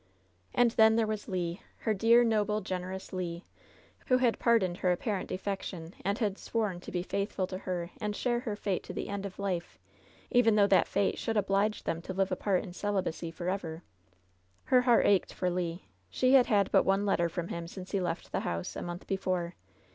And then there was Le — ^her dear, noble, generous Le — ^who had pardoned her apparent defection and had sworn to be faithful to her and share her fate to the end of life, even though that fate should oblige them to live apart in celibacy forever. Her heart ached for Le. She had had but one letter from him since he left the house, a month before.